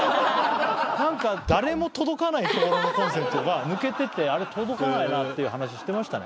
何か誰も届かないところのコンセントが抜けてて「あれ届かないな」っていう話してましたね